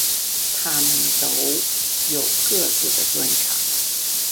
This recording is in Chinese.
他们都有各自的专长。